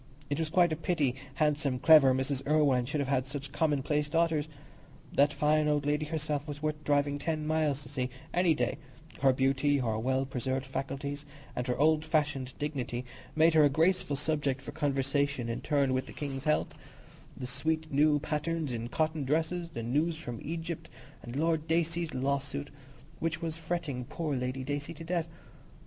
It was quite a pity handsome, clever Mrs. Irwine should have had such commonplace daughters. That fine old lady herself was worth driving ten miles to see, any day; her beauty, her well preserved faculties, and her old fashioned dignity made her a graceful subject for conversation in turn with the King's health, the sweet new patterns in cotton dresses, the news from Egypt, and Lord Dacey's lawsuit, which was fretting poor Lady Dacey to death.